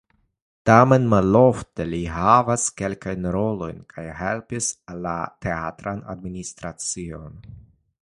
Tamen malofte li havis kelkajn rolojn kaj helpis la teatran administracion.